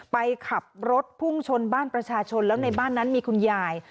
ไปขับรถพุ่งชนบ้านประชาชนแล้วในบ้านนั้นมีคุณยาย